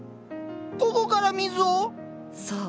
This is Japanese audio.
ここから水を⁉そう。